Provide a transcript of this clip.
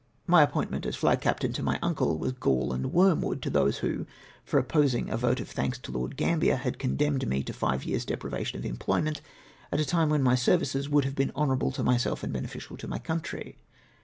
My appointment a ^ flag captain to my uncle was gall and v^^ormwoodto those who, for opposing a vote of thanks to Lord Gambler, had condemned me to five years' deprivation of employment, at a time when my services would have been honourable to myself and benehcial to my country.